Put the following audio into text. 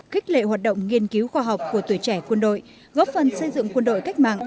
khích lệ hoạt động nghiên cứu khoa học của tuổi trẻ quân đội góp phần xây dựng quân đội cách mạng